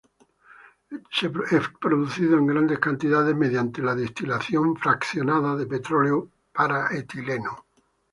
Es producido en grandes cantidades mediante la destilación fraccionada de petróleo para etileno.